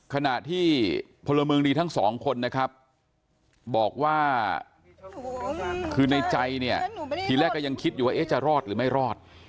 ขณะที่พลเมืองดีทั้งสองคนนะครับบอกว่าคือในใจเนี่ยทีแรกก็ยังคิดอยู่ว่าจะรอดหรือไม่รอด